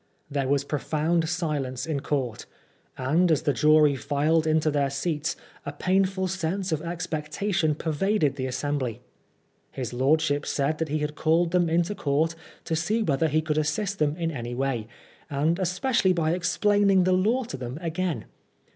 There was profound silence in court, and as the jury filed into their seats a painful sense of expectation pervaded the assembly. His lordship said that he had called them into court to see whether he could assist them in any way, and especially by explaining the law to them again.